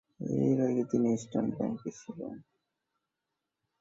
এর আগে তিনি ইস্টার্ন ব্যাংকে ছিলেন।